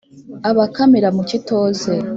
abakamira mu kitoze